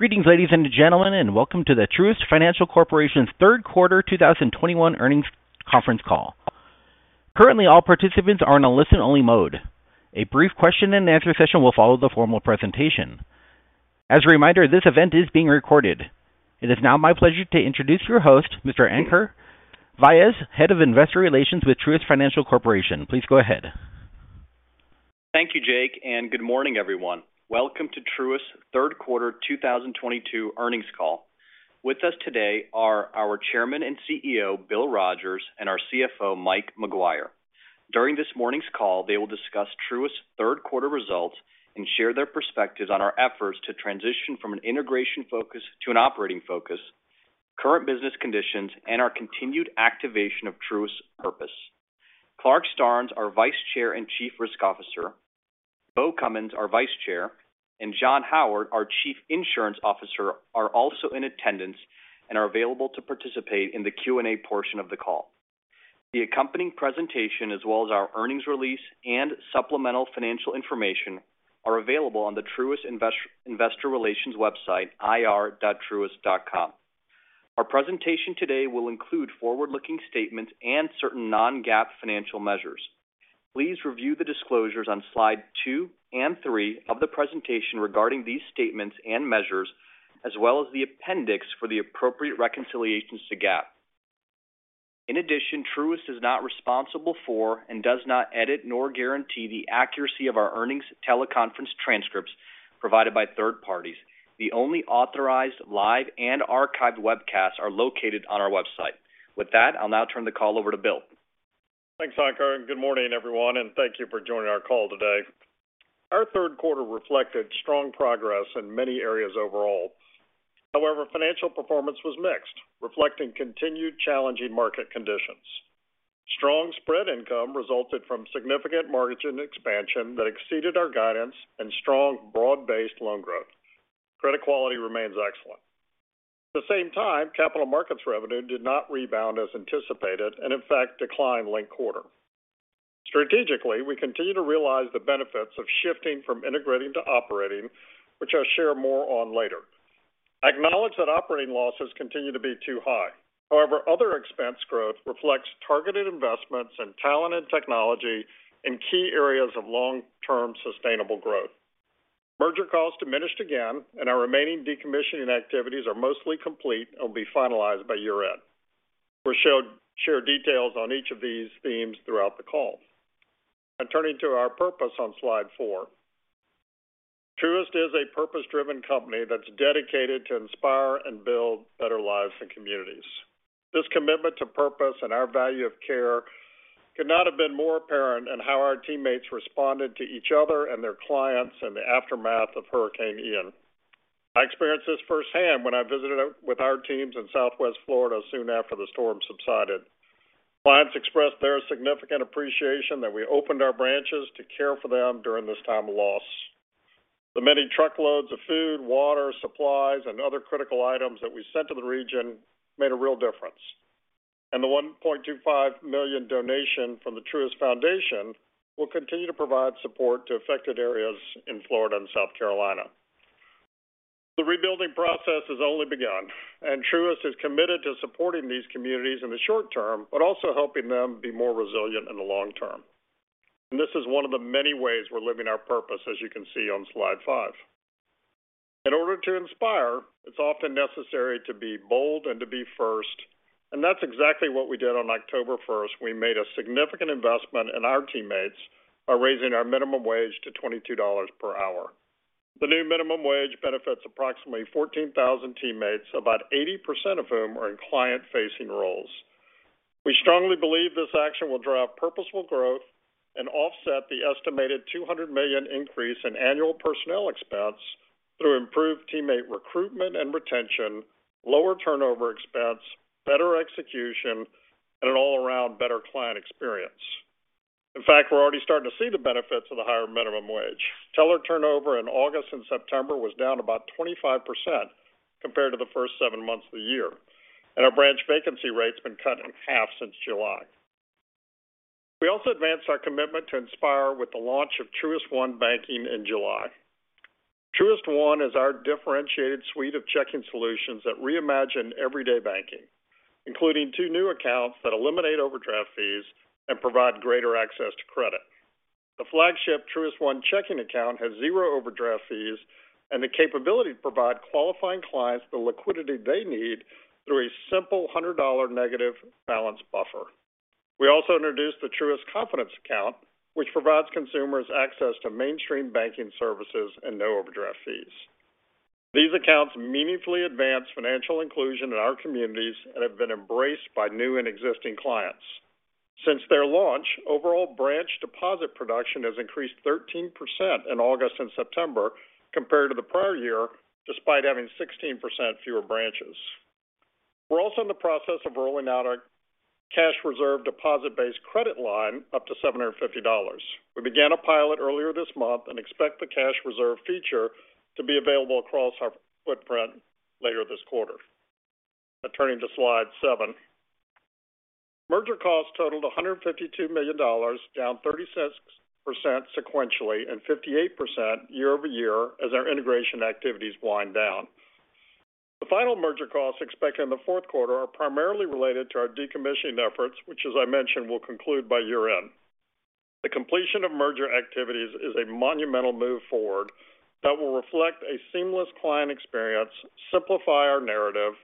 Greetings, ladies and gentlemen, and welcome to the Truist Financial Corporation's third quarter 2021 earnings conference call. Currently, all participants are in a listen-only mode. A brief question-and-answer session will follow the formal presentation. As a reminder, this event is being recorded. It is now my pleasure to introduce your host, Mr. Ankur Vyas, Head of Investor Relations with Truist Financial Corporation. Please go ahead. Thank you, Jake, and good morning, everyone. Welcome to Truist third quarter 2022 earnings call. With us today are our Chairman and CEO, Bill Rogers, and our CFO, Mike Maguire. During this morning's call, they will discuss Truist third quarter results and share their perspectives on our efforts to transition from an integration focus to an operating focus, current business conditions, and our continued activation of Truist purpose. Clarke Starnes, our Vice Chair and Chief Risk Officer, Beau Cummins, our Vice Chair, and John Howard, our Chief Insurance Officer, are also in attendance and are available to participate in the Q&A portion of the call. The accompanying presentation, as well as our earnings release and supplemental financial information, are available on the Truist Investor Relations website, ir.truist.com. Our presentation today will include forward-looking statements and certain non-GAAP financial measures. Please review the disclosures on Slide two and three of the presentation regarding these statements and measures, as well as the appendix for the appropriate reconciliations to GAAP. In addition, Truist is not responsible for and does not edit nor guarantee the accuracy of our earnings teleconference transcripts provided by third parties. The only authorized live and archived webcasts are located on our website. With that, I'll now turn the call over to Bill. Thanks, Ankur, and good morning, everyone, and thank you for joining our call today. Our third quarter reflected strong progress in many areas overall. However, financial performance was mixed, reflecting continued challenging market conditions. Strong spread income resulted from significant mortgage and deposit expansion that exceeded our guidance and strong broad-based loan growth. Credit quality remains excellent. At the same time, capital markets revenue did not rebound as anticipated and in fact declined linked-quarter. Strategically, we continue to realize the benefits of shifting from integrating to operating, which I'll share more on later. I acknowledge that operating losses continue to be too high. However, other expense growth reflects targeted investments in talent and technology in key areas of long-term sustainable growth. Merger costs diminished again, and our remaining decommissioning activities are mostly complete and will be finalized by year-end. We'll share details on each of these themes throughout the call. Now turning to our purpose on Slide four. Truist is a purpose-driven company that's dedicated to inspire and build better lives and communities. This commitment to purpose and our value of care could not have been more apparent in how our teammates responded to each other and their clients in the aftermath of Hurricane Ian. I experienced this firsthand when I visited with our teams in Southwest Florida soon after the storm subsided. Clients expressed their significant appreciation that we opened our branches to care for them during this time of loss. The many truckloads of food, water, supplies, and other critical items that we sent to the region made a real difference. The $1.25 million donation from the Truist Foundation will continue to provide support to affected areas in Florida and South Carolina. The rebuilding process has only begun, and Truist is committed to supporting these communities in the short term, but also helping them be more resilient in the long term. This is one of the many ways we're living our purpose, as you can see on Slide five. In order to inspire, it's often necessary to be bold and to be first, and that's exactly what we did on October first. We made a significant investment in our teammates by raising our minimum wage to $22 per hour. The new minimum wage benefits approximately 14,000 teammates, about 80% of whom are in client-facing roles. We strongly believe this action will drive purposeful growth and offset the estimated $200 million increase in annual personnel expense through improved teammate recruitment and retention, lower turnover expense, better execution, and an all-around better client experience. In fact, we're already starting to see the benefits of the higher minimum wage. Teller turnover in August and September was down about 25% compared to the first 7 months of the year, and our branch vacancy rate's been cut in half since July. We also advanced our commitment to inspire with the launch of Truist One banking in July. Truist One is our differentiated suite of checking solutions that reimagine everyday banking, including 2 new accounts that eliminate overdraft fees and provide greater access to credit. The flagship Truist One Checking account has 0 overdraft fees and the capability to provide qualifying clients the liquidity they need through a simple $100 negative balance buffer. We also introduced the Truist Confidence account, which provides consumers access to mainstream banking services and no overdraft fees. These accounts meaningfully advance financial inclusion in our communities and have been embraced by new and existing clients. Since their launch, overall branch deposit production has increased 13% in August and September compared to the prior year, despite having 16% fewer branches. We're also in the process of rolling out our Cash Reserve deposit-based credit line up to $750. We began a pilot earlier this month and expect the Cash Reserve feature to be available across our footprint later this quarter. Now turning to Slide seven. Merger costs totaled $152 million, down 36% sequentially and 58% year-over-year as our integration activities wind down. The final merger costs expected in the fourth quarter are primarily related to our decommissioning efforts, which as I mentioned, will conclude by year-end. The completion of merger activities is a monumental move forward that will reflect a seamless client experience, simplify our narrative,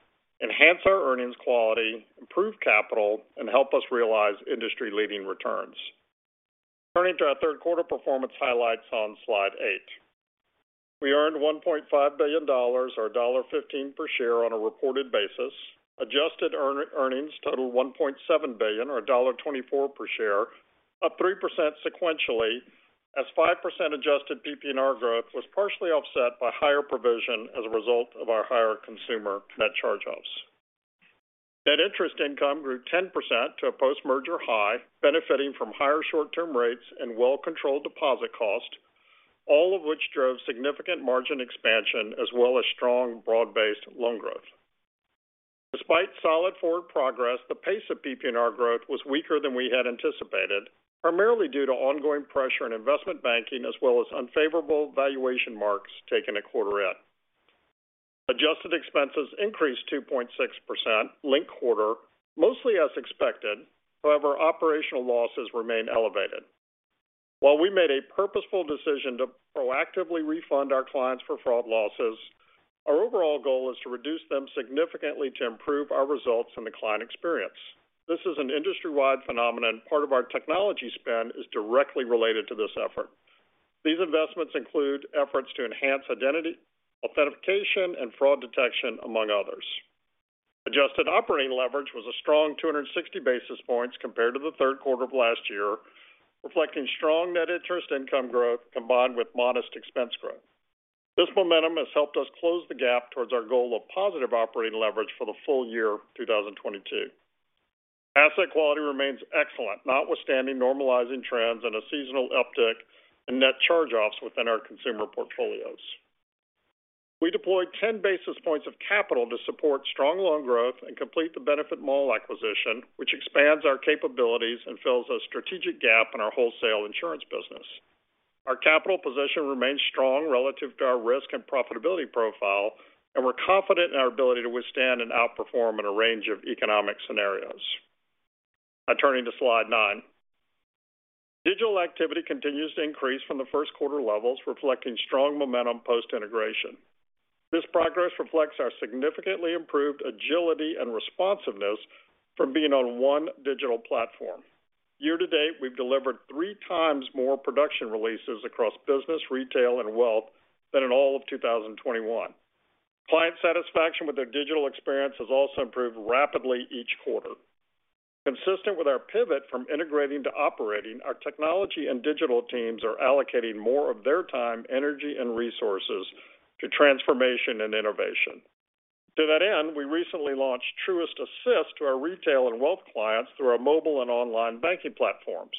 enhance our earnings quality, improve capital, and help us realize industry-leading returns. Turning to our third quarter performance highlights on Slide eight. We earned $1.5 billion or $1.15 per share on a reported basis. Adjusted earnings totaled $1.7 billion or $1.24 per share, up 3% sequentially as 5% adjusted PPNR growth was partially offset by higher provision as a result of our higher consumer net charge-offs. Net interest income grew 10% to a post-merger high, benefiting from higher short-term rates and well-controlled deposit cost, all of which drove significant margin expansion as well as strong broad-based loan growth. Despite solid forward progress, the pace of PPNR growth was weaker than we had anticipated, primarily due to ongoing pressure in investment banking as well as unfavorable valuation marks taken at quarter end. Adjusted expenses increased 2.6% linked quarter, mostly as expected. However, operational losses remain elevated. While we made a purposeful decision to proactively refund our clients for fraud losses, our overall goal is to reduce them significantly to improve our results and the client experience. This is an industry-wide phenomenon. Part of our technology spend is directly related to this effort. These investments include efforts to enhance identity, authentication, and fraud detection, among others. Adjusted operating leverage was a strong 260 basis points compared to the third quarter of last year, reflecting strong net interest income growth combined with modest expense growth. This momentum has helped us close the gap towards our goal of positive operating leverage for the full year 2022. Asset quality remains excellent, notwithstanding normalizing trends and a seasonal uptick in net charge-offs within our consumer portfolios. We deployed 10 basis points of capital to support strong loan growth and complete the BenefitMall acquisition, which expands our capabilities and fills a strategic gap in our wholesale insurance business. Our capital position remains strong relative to our risk and profitability profile, and we're confident in our ability to withstand and outperform in a range of economic scenarios. Now turning to Slide nine. Digital activity continues to increase from the first quarter levels, reflecting strong momentum post-integration. This progress reflects our significantly improved agility and responsiveness from being on one digital platform. Year to date, we've delivered three times more production releases across business, retail, and wealth than in all of 2021. Client satisfaction with their digital experience has also improved rapidly each quarter. Consistent with our pivot from integrating to operating, our technology and digital teams are allocating more of their time, energy, and resources to transformation and innovation. To that end, we recently launched Truist Assist to our retail and wealth clients through our mobile and online banking platforms.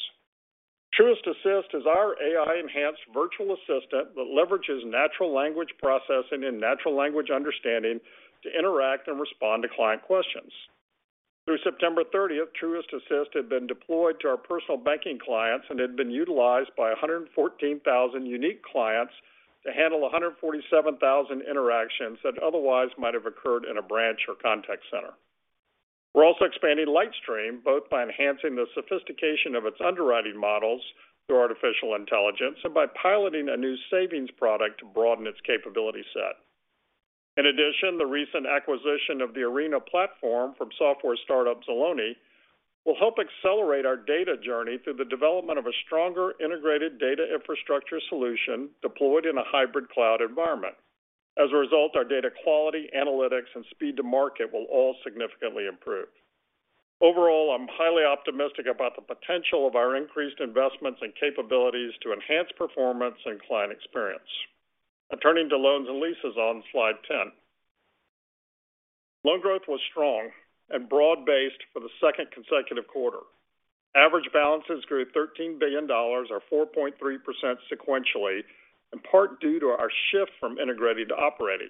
Truist Assist is our AI-enhanced virtual assistant that leverages natural language processing and natural language understanding to interact and respond to client questions. Through September 30, Truist Assist had been deployed to our personal banking clients and had been utilized by 114,000 unique clients to handle 147,000 interactions that otherwise might have occurred in a branch or contact center. We're also expanding LightStream, both by enhancing the sophistication of its underwriting models through artificial intelligence and by piloting a new savings product to broaden its capability set. In addition, the recent acquisition of the Arena platform from software startup Zaloni will help accelerate our data journey through the development of a stronger integrated data infrastructure solution deployed in a hybrid cloud environment. As a result, our data quality, analytics, and speed to market will all significantly improve. Overall, I'm highly optimistic about the potential of our increased investments and capabilities to enhance performance and client experience. Now turning to loans and leases on Slide 10. Loan growth was strong and broad-based for the second consecutive quarter. Average balances grew $13 billion or 4.3% sequentially, in part due to our shift from integrating to operating.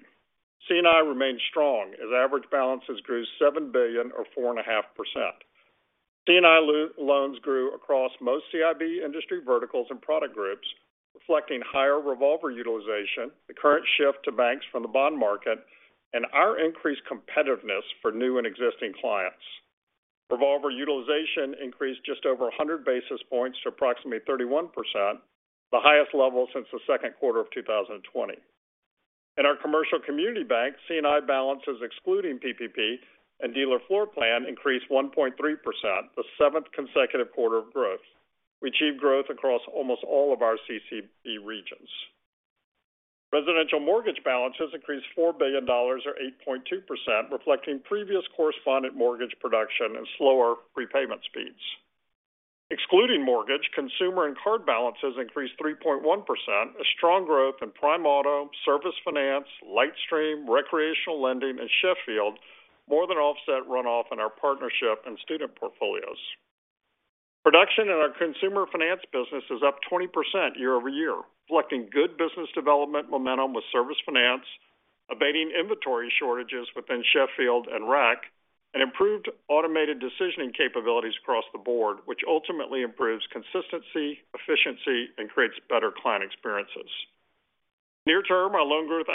C&I remained strong as average balances grew $7 billion or 4.5%. C&I loans grew across most CIB industry verticals and product groups, reflecting higher revolver utilization, the current shift to banks from the bond market, and our increased competitiveness for new and existing clients. Revolver utilization increased just over 100 basis points to approximately 31%, the highest level since the second quarter of 2020. In our commercial community bank, C&I balances excluding PPP and dealer floor plan increased 1.3%, the seventh consecutive quarter of growth. We achieved growth across almost all of our CCB regions. Residential mortgage balances increased $4 billion or 8.2%, reflecting previous correspondent mortgage production and slower prepayment speeds. Excluding mortgage, consumer and card balances increased 3.1%. A strong growth in prime auto, Service Finance, LightStream, Recreational Lending, and Sheffield more than offset runoff in our partnership and student portfolios. Production in our consumer finance business is up 20% year-over-year, reflecting good business development momentum with Service Finance, abating inventory shortages within Sheffield and Rec, and improved automated decisioning capabilities across the board, which ultimately improves consistency, efficiency, and creates better client experiences. Near term, our loan growth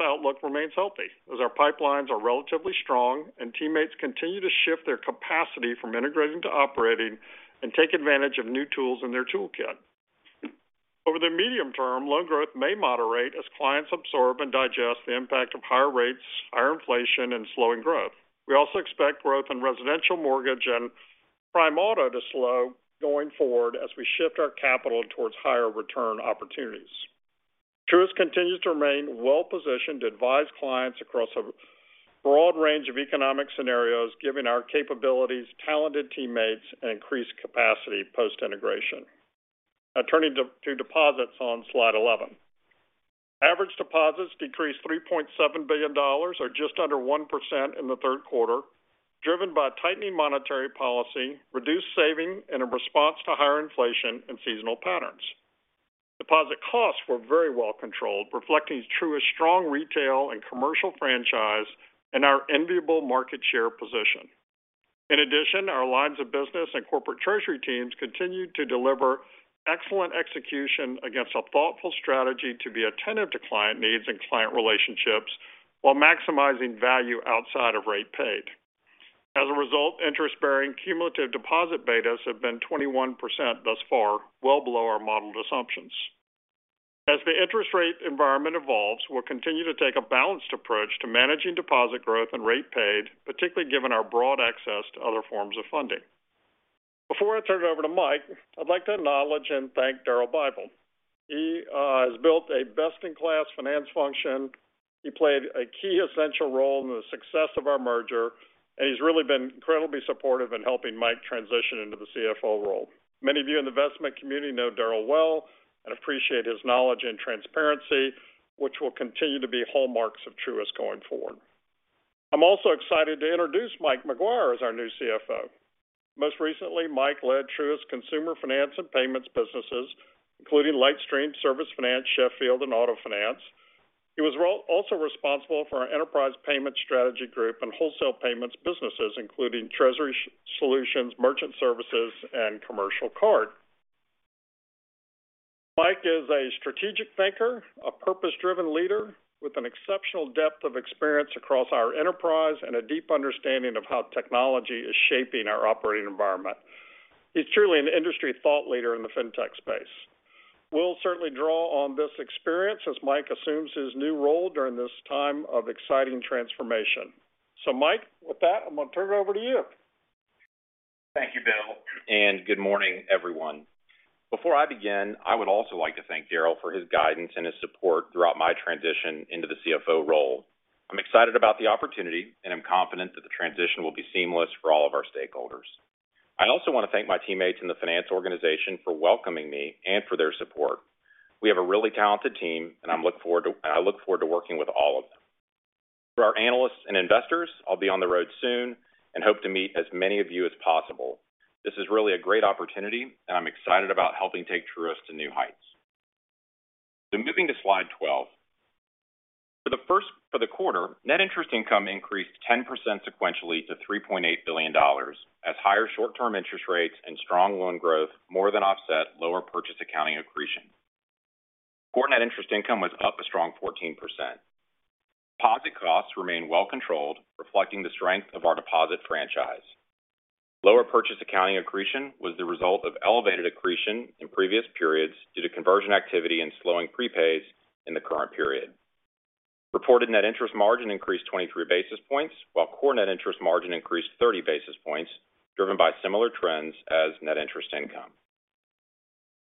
outlook remains healthy as our pipelines are relatively strong and teammates continue to shift their capacity from integrating to operating and take advantage of new tools in their toolkit. Over the medium term, loan growth may moderate as clients absorb and digest the impact of higher rates, higher inflation, and slowing growth. We also expect growth in residential mortgage and prime auto to slow going forward as we shift our capital towards higher return opportunities. Truist continues to remain well-positioned to advise clients across a broad range of economic scenarios given our capabilities, talented teammates and increased capacity post-integration. Now turning to deposits on Slide 11. Average deposits decreased $3.7 billion or just under 1% in the third quarter, driven by tightening monetary policy, reduced savings in response to higher inflation and seasonal patterns. Deposit costs were very well controlled, reflecting Truist's strong retail and commercial franchise and our enviable market share position. In addition, our lines of business and corporate treasury teams continued to deliver excellent execution against a thoughtful strategy to be attentive to client needs and client relationships while maximizing value outside of rate paid. As a result, interest-bearing cumulative deposit betas have been 21% thus far, well below our modeled assumptions. As the interest rate environment evolves, we'll continue to take a balanced approach to managing deposit growth and rate paid, particularly given our broad access to other forms of funding. Before I turn it over to Mike, I'd like to acknowledge and thank Daryl Bible. He has built a best-in-class finance function. He played a key essential role in the success of our merger, and he's really been incredibly supportive in helping Mike transition into the CFO role. Many of you in the investment community know Daryl well and appreciate his knowledge and transparency, which will continue to be hallmarks of Truist going forward. I'm also excited to introduce Mike Maguire as our new CFO. Most recently, Mike led Truist Consumer Finance and Payments businesses, including LightStream, Service Finance, Sheffield Financial, and Auto Finance. He was also responsible for our enterprise payment strategy group and wholesale payments businesses, including Treasury Solutions, Merchant Services, and Commercial Card. Mike is a strategic thinker, a purpose-driven leader with an exceptional depth of experience across our enterprise and a deep understanding of how technology is shaping our operating environment. He's truly an industry thought leader in the fintech space. We'll certainly draw on this experience as Mike assumes his new role during this time of exciting transformation. Mike, with that, I'm going to turn it over to you. Thank you, Bill, and good morning, everyone. Before I begin, I would also like to thank Darrell for his guidance and his support throughout my transition into the CFO role. I'm excited about the opportunity, and I'm confident that the transition will be seamless for all of our stakeholders. I also want to thank my teammates in the finance organization for welcoming me and for their support. We have a really talented team, and I look forward to working with all of them. For our analysts and investors, I'll be on the road soon and hope to meet as many of you as possible. This is really a great opportunity, and I'm excited about helping take Truist to new heights. Moving to Slide 12. For the quarter, net interest income increased 10% sequentially to $3.8 billion as higher short-term interest rates and strong loan growth more than offset lower purchase accounting accretion. Core net interest income was up a strong 14%. Deposit costs remain well controlled, reflecting the strength of our deposit franchise. Lower purchase accounting accretion was the result of elevated accretion in previous periods due to conversion activity and slowing prepays in the current period. Reported net interest margin increased 23 basis points, while core net interest margin increased 30 basis points, driven by similar trends as net interest income.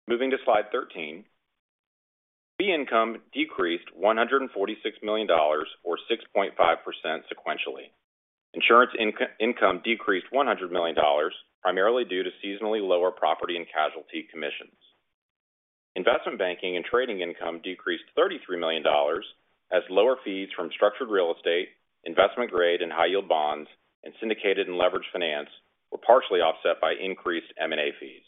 Moving to slide 13. Fee income decreased $146 million or 6.5% sequentially. Insurance income decreased $100 million, primarily due to seasonally lower property and casualty commissions. Investment banking and trading income decreased $33 million as lower fees from structured real estate, investment-grade and high-yield bonds, and syndicated and leveraged finance were partially offset by increased M&A fees.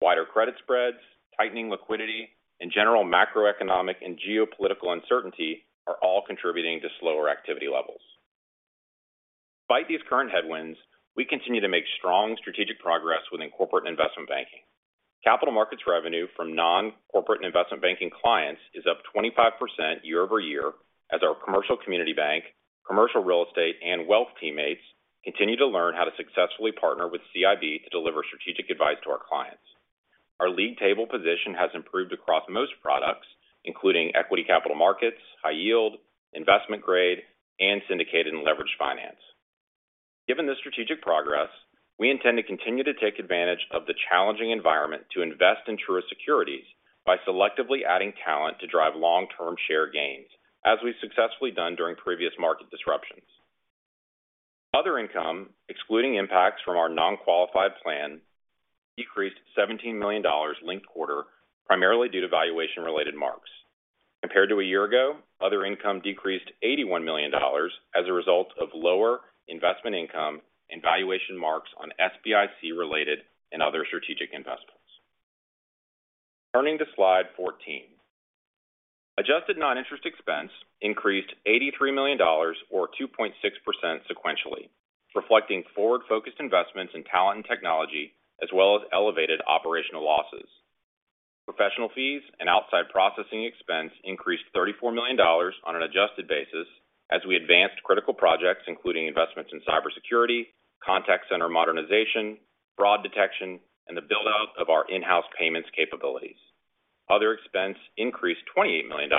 Wider credit spreads, tightening liquidity, and general macroeconomic and geopolitical uncertainty are all contributing to slower activity levels. Despite these current headwinds, we continue to make strong strategic progress within corporate investment banking. Capital markets revenue from non-corporate investment banking clients is up 25% year-over-year as our commercial community bank, commercial real estate, and wealth teammates continue to learn how to successfully partner with CIB to deliver strategic advice to our clients. Our lead table position has improved across most products, including equity capital markets, high yield, investment grade, and syndicated and leveraged finance. Given this strategic progress, we intend to continue to take advantage of the challenging environment to invest in Truist securities by selectively adding talent to drive long-term share gains, as we've successfully done during previous market disruptions. Other income, excluding impacts from our non-qualified plan, decreased $17 million linked quarter, primarily due to valuation-related marks. Compared to a year ago, other income decreased $81 million as a result of lower investment income and valuation marks on SBIC-related and other strategic investments. Turning to Slide 14. Adjusted non-interest expense increased $83 million or 2.6% sequentially, reflecting forward-focused investments in talent and technology as well as elevated operational losses. Professional fees and outside processing expense increased $34 million on an adjusted basis as we advanced critical projects, including investments in cybersecurity, contact center modernization, fraud detection, and the build out of our in-house payments capabilities. Other expense increased $28 million,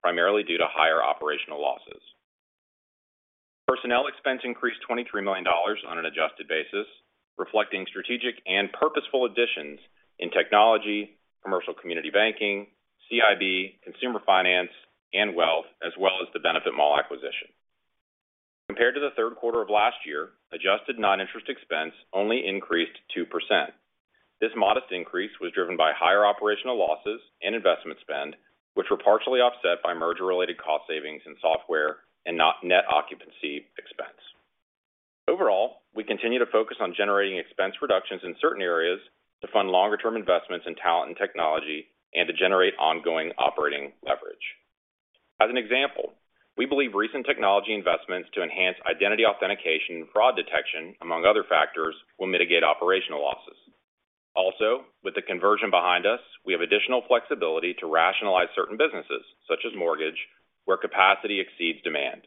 primarily due to higher operational losses. Personnel expense increased $23 million on an adjusted basis, reflecting strategic and purposeful additions in technology, commercial community banking, CIB, consumer finance and wealth, as well as the BenefitMall acquisition. Compared to the third quarter of last year, adjusted non-interest expense only increased 2%. This modest increase was driven by higher operational losses and investment spend, which were partially offset by merger related cost savings in software and net occupancy expense. Overall, we continue to focus on generating expense reductions in certain areas to fund longer term investments in talent and technology and to generate ongoing operating leverage. As an example, we believe recent technology investments to enhance identity authentication and fraud detection, among other factors, will mitigate operational losses. With the conversion behind us, we have additional flexibility to rationalize certain businesses, such as mortgage, where capacity exceeds demand.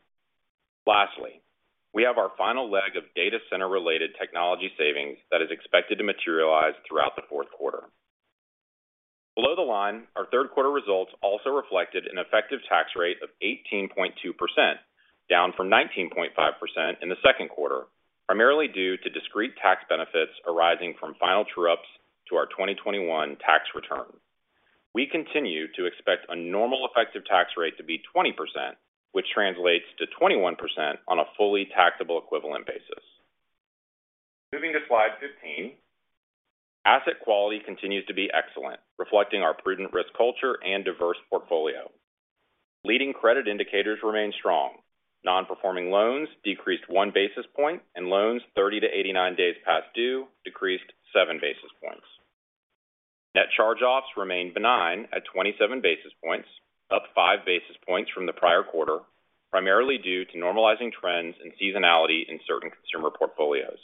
We have our final leg of data center related technology savings that is expected to materialize throughout the fourth quarter. Below the line, our third quarter results also reflected an effective tax rate of 18.2%, down from 19.5% in the second quarter, primarily due to discrete tax benefits arising from final true-ups to our 2021 tax return. We continue to expect a normal effective tax rate to be 20%, which translates to 21% on a fully taxable equivalent basis. Moving to Slide 15. Asset quality continues to be excellent, reflecting our prudent risk culture and diverse portfolio. Leading credit indicators remain strong. Non-performing loans decreased 1 basis point and loans 30-89 days past due decreased 7 basis points. Net charge-offs remained benign at 27 basis points, up 5 basis points from the prior quarter, primarily due to normalizing trends and seasonality in certain consumer portfolios.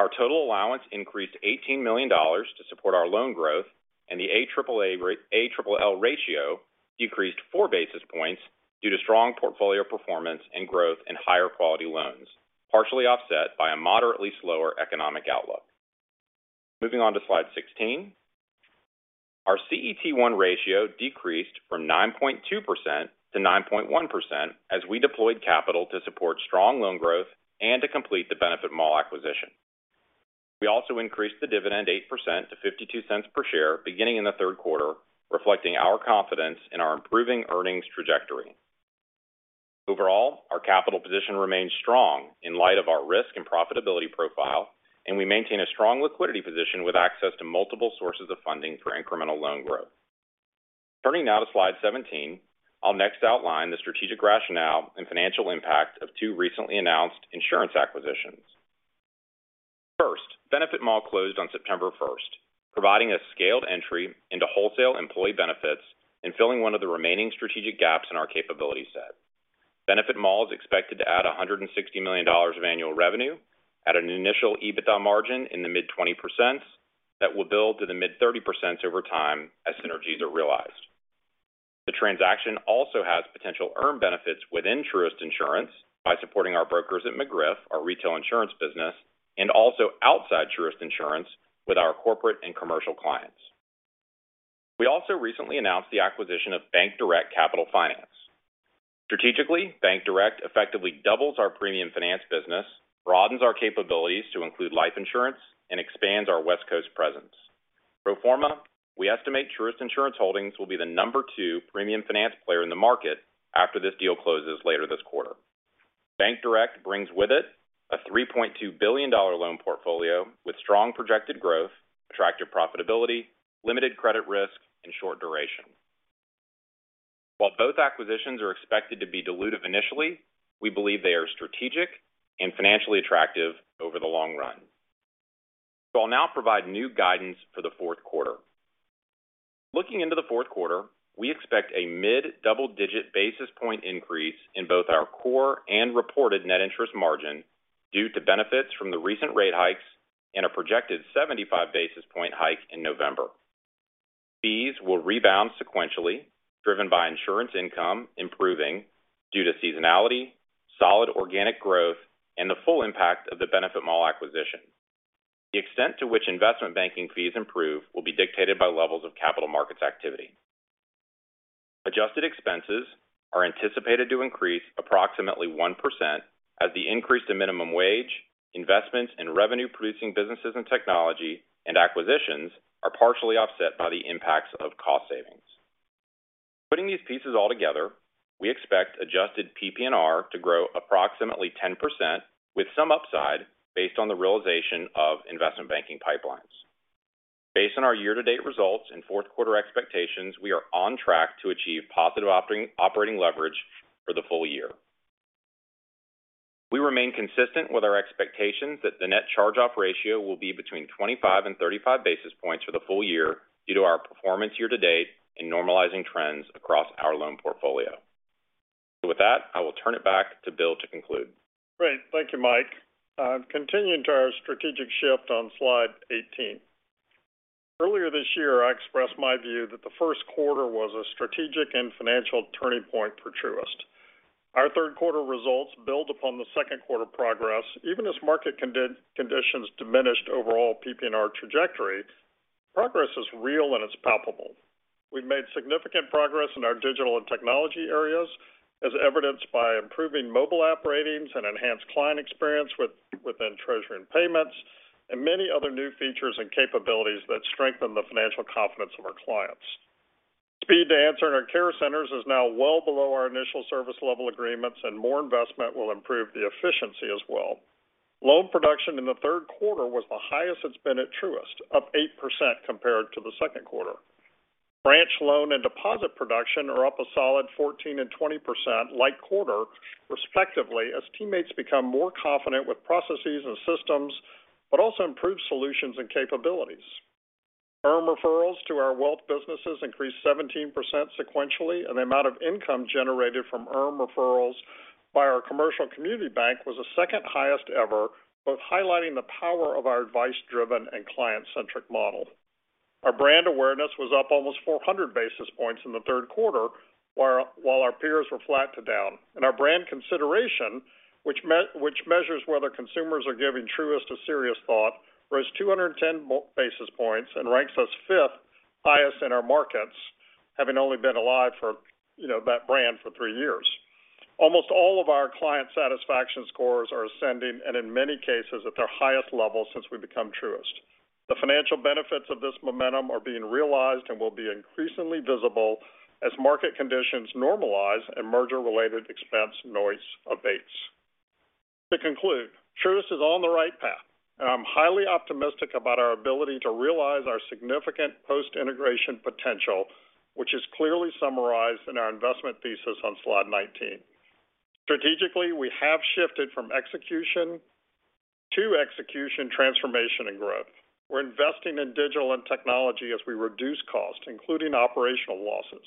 Our total allowance increased $18 million to support our loan growth and the ACL ratio decreased 4 basis points due to strong portfolio performance and growth in higher quality loans, partially offset by a moderately slower economic outlook. Moving on to Slide 16. Our CET1 ratio decreased from 9.2% to 9.1% as we deployed capital to support strong loan growth and to complete the BenefitMall acquisition. We also increased the dividend 8% to $0.52 per share beginning in the third quarter, reflecting our confidence in our improving earnings trajectory. Overall, our capital position remains strong in light of our risk and profitability profile, and we maintain a strong liquidity position with access to multiple sources of funding for incremental loan growth. Turning now to Slide 17. I'll next outline the strategic rationale and financial impact of two recently announced insurance acquisitions. First, BenefitMall closed on September first, providing a scaled entry into wholesale employee benefits and filling one of the remaining strategic gaps in our capability set. BenefitMall is expected to add $160 million of annual revenue at an initial EBITDA margin in the mid-20% that will build to the mid-30% over time as synergies are realized. The transaction also has potential earn benefits within Truist Insurance by supporting our brokers at McGriff, our retail insurance business, and also outside Truist Insurance with our corporate and commercial clients. We also recently announced the acquisition of BankDirect Capital Finance. Strategically, BankDirect effectively doubles our premium finance business, broadens our capabilities to include life insurance and expands our West Coast presence. Pro forma, we estimate Truist Insurance Holdings will be the number two premium finance player in the market after this deal closes later this quarter. BankDirect brings with it a $3.2 billion loan portfolio with strong projected growth, attractive profitability, limited credit risk and short duration. While both acquisitions are expected to be dilutive initially, we believe they are strategic and financially attractive over the long run. I'll now provide new guidance for the fourth quarter. Looking into the fourth quarter, we expect a mid-double digit basis point increase in both our core and reported net interest margin due to benefits from the recent rate hikes and a projected 75 basis point hike in November. Fees will rebound sequentially, driven by insurance income improving due to seasonality, solid organic growth, and the full impact of the BenefitMall acquisition. The extent to which investment banking fees improve will be dictated by levels of capital markets activity. Adjusted expenses are anticipated to increase approximately 1% as the increase in minimum wage, investments in revenue producing businesses and technology and acquisitions are partially offset by the impacts of cost savings. Putting these pieces all together. We expect adjusted PPNR to grow approximately 10% with some upside based on the realization of investment banking pipelines. Based on our year-to-date results and fourth quarter expectations, we are on track to achieve positive operating leverage for the full year. We remain consistent with our expectations that the net charge-off ratio will be between 25 and 35 basis points for the full year due to our performance year-to-date and normalizing trends across our loan portfolio. With that, I will turn it back to Bill to conclude. Great. Thank you, Mike. Continuing to our strategic shift on Slide 18. Earlier this year, I expressed my view that the first quarter was a strategic and financial turning point for Truist. Our third quarter results build upon the second quarter progress, even as market conditions diminished overall PPNR trajectory. Progress is real, and it's palpable. We've made significant progress in our digital and technology areas as evidenced by improving mobile app ratings and enhanced client experience within treasury and payments, and many other new features and capabilities that strengthen the financial confidence of our clients. Speed to answer in our care centers is now well below our initial service level agreements, and more investment will improve the efficiency as well. Loan production in the third quarter was the highest it's been at Truist, up 8% compared to the second quarter. Branch loan and deposit production are up a solid 14% and 20% linked-quarter, respectively, as teammates become more confident with processes and systems, but also improved solutions and capabilities. Earned referrals to our wealth businesses increased 17% sequentially, and the amount of income generated from earned referrals by our commercial community bank was the second highest ever, both highlighting the power of our advice-driven and client-centric model. Our brand awareness was up almost 400 basis points in the third quarter, while our peers were flat to down. Our brand consideration, which measures whether consumers are giving Truist a serious thought, rose 210 basis points and ranks us fifth highest in our markets, having only been alive for, you know, that brand for 3 years. Almost all of our client satisfaction scores are ascending, and in many cases, at their highest level since we've become Truist. The financial benefits of this momentum are being realized and will be increasingly visible as market conditions normalize and merger-related expense noise abates. To conclude, Truist is on the right path, and I'm highly optimistic about our ability to realize our significant post-integration potential, which is clearly summarized in our investment thesis on Slide 19. Strategically, we have shifted from execution to transformation, and growth. We're investing in digital and technology as we reduce cost, including operational losses.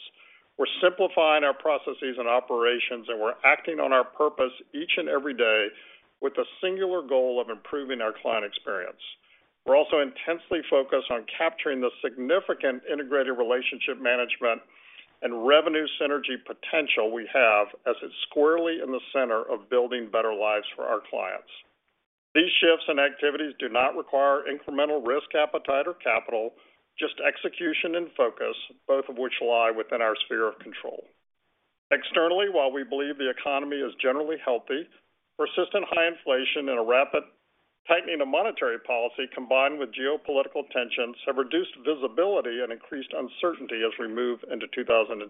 We're simplifying our processes and operations, and we're acting on our purpose each and every day with the singular goal of improving our client experience. We're also intensely focused on capturing the significant integrated relationship management and revenue synergy potential we have as it's squarely in the center of building better lives for our clients. These shifts and activities do not require incremental risk appetite or capital, just execution and focus, both of which lie within our sphere of control. Externally, while we believe the economy is generally healthy, persistent high inflation and a rapid tightening of monetary policy combined with geopolitical tensions have reduced visibility and increased uncertainty as we move into 2023.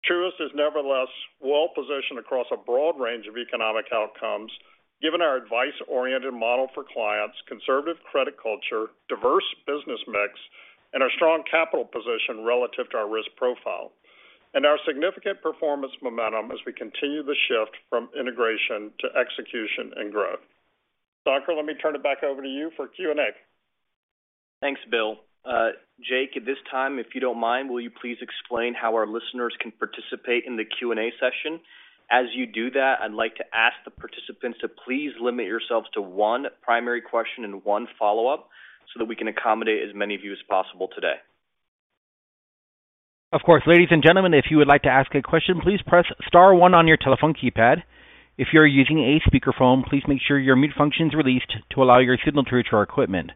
Truist is nevertheless well positioned across a broad range of economic outcomes given our advice-oriented model for clients, conservative credit culture, diverse business mix, and our strong capital position relative to our risk profile, and our significant performance momentum as we continue the shift from integration to execution and growth. Ankur Vyas, let me turn it back over to you for Q&A. Thanks, Bill. Jake, at this time, if you don't mind, will you please explain how our listeners can participate in the Q&A session? As you do that, I'd like to ask the participants to please limit yourselves to one primary question and one follow-up so that we can accommodate as many of you as possible today. Of course. Ladies and gentlemen, if you would like to ask a question, please press star one on your telephone keypad. If you're using a speakerphone, please make sure your mute function is released to allow your signal through to our equipment.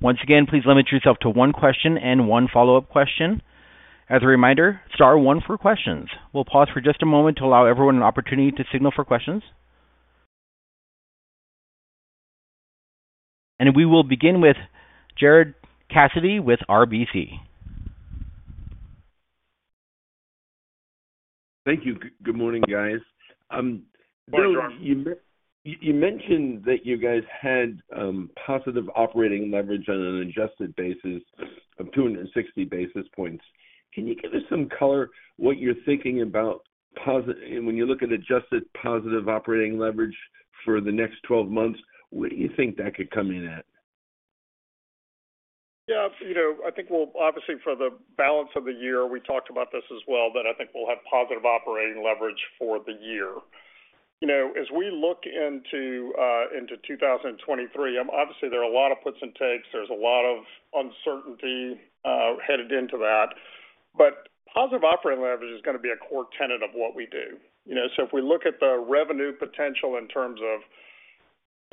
Once again, please limit yourself to one question and one follow-up question. As a reminder, star one for questions. We'll pause for just a moment to allow everyone an opportunity to signal for questions. We will begin with Gerard Cassidy with RBC. Thank you. Good morning, guys. Bill, you mentioned that you guys had positive operating leverage on an adjusted basis of 260 basis points. Can you give us some color on what you're thinking about and when you look at adjusted positive operating leverage for the next 12 months, what do you think that could come in at? Yeah. You know, I think we'll obviously for the balance of the year, we talked about this as well, that I think we'll have positive operating leverage for the year. You know, as we look into 2023, obviously there are a lot of puts and takes. There's a lot of uncertainty headed into that. Positive operating leverage is going to be a core tenet of what we do. You know, so if we look at the revenue potential in terms of,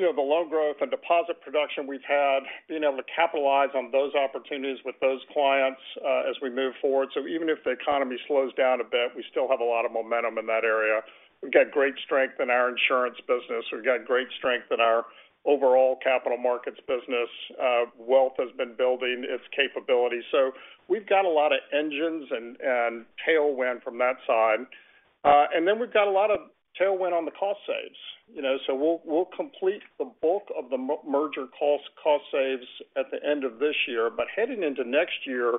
you know, the loan growth and deposit production we've had, being able to capitalize on those opportunities with those clients, as we move forward. Even if the economy slows down a bit, we still have a lot of momentum in that area. We've got great strength in our insurance business. We've got great strength in our overall capital markets business. Wealth has been building its capabilities. We've got a lot of engines and tailwind from that side. We've got a lot of tailwind on the cost saves. We'll complete the bulk of the merger cost saves at the end of this year. Heading into next year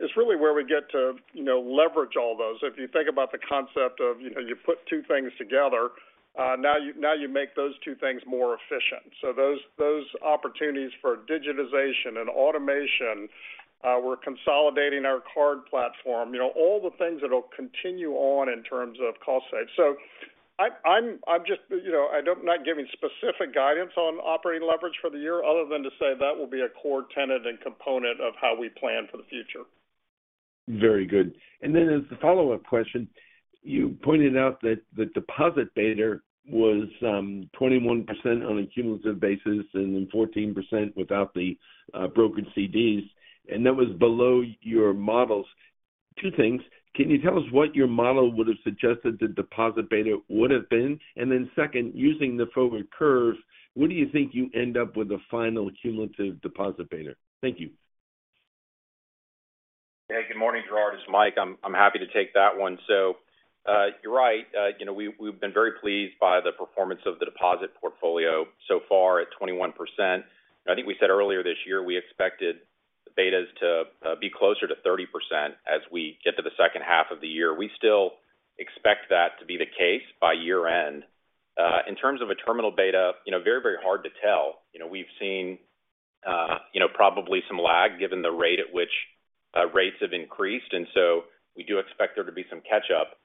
is really where we get to, you know, leverage all those. If you think about the concept of, you know, you put two things together, now you make those two things more efficient. Those opportunities for digitization and automation, we're consolidating our card platform, you know, all the things that'll continue on in terms of cost saves. I'm just, you know, I'm not giving specific guidance on operating leverage for the year other than to say that will be a core tenet and component of how we plan for the future. Very good. As a follow-up question, you pointed out that the deposit beta was 21% on a cumulative basis and then 14% without the brokered CDs, and that was below your models. Two things. Can you tell us what your model would have suggested the deposit beta would have been? Second, using the forward curves, what do you think you end up with a final cumulative deposit beta? Thank you. Hey, good morning, Gerard. It's Mike. I'm happy to take that one. You're right. You know, we've been very pleased by the performance of the deposit portfolio so far at 21%. I think we said earlier this year, we expected the betas to be closer to 30% as we get to the second half of the year. We still expect that to be the case by year-end. In terms of a terminal beta, you know, very, very hard to tell. You know, we've seen, you know, probably some lag given the rate at which rates have increased, and so we do expect there to be some catch up.